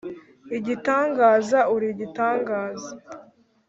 igitangaza… uri igitangaza.